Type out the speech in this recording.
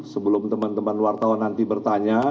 sebelum teman teman wartawan nanti bertanya